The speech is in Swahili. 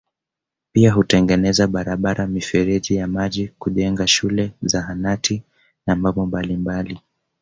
Pia hutengeneza barabara mifereji ya maji kujenga shule Zahanati na mambo mabalimbali